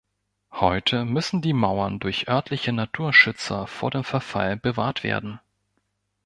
Heute müssen die Mauern durch örtliche Naturschützer vor dem Verfall bewahrt werden.